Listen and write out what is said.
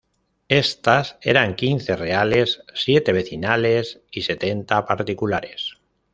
Estas eran quince reales, siete vecinales y setenta particulares.